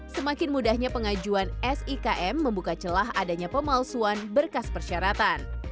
semakin mudahnya pengajuan sikm membuka celah adanya pemalsuan berkas persyaratan